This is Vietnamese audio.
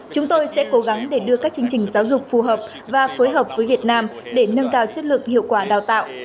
chúng tôi sẽ cố gắng để đưa các chương trình giáo dục phù hợp và phối hợp với việt nam để nâng cao chất lượng hiệu quả đào tạo